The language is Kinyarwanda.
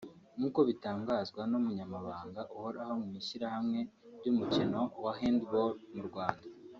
nk’uko bitangazwa n’umunyamabanga uhoraho mu Ishyirahamwe ry’Umukino wa Handball mu Rwanda